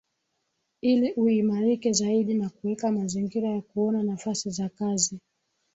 ili uimarike zaidi na kuweka mazingira ya kuona nafasi za kazi